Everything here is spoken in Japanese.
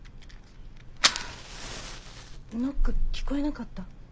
ノック聞こえなかった？